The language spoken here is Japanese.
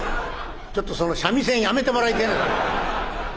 「ちょっとその三味線やめてもらいてぇな。